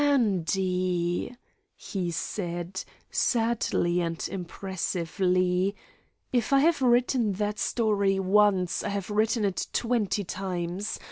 "Andy," he said, sadly and impressively, "if I have written that story once, I have written it twenty times.